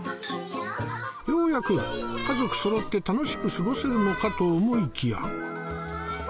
ようやく家族そろって楽しく過ごせるのかと思いきや